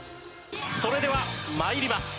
それでは参ります。